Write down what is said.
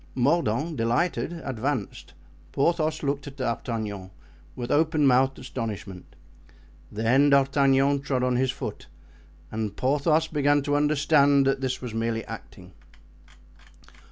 Mordaunt, delighted, advanced, Porthos looking at D'Artagnan with open mouthed astonishment. Then D'Artagnan trod on his foot and Porthos began to understand that this was merely acting.